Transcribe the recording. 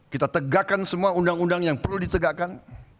kita tegakkan semua undang undang yang perlu ditegakkan